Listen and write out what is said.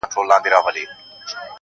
رود به هم له سمندر سره ګډیږي -